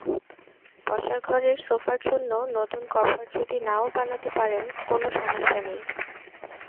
বসার ঘরের সোফার জন্য নতুন কভার যদি না-ও বানাতে পারেন, কোনো সমস্যা নেই।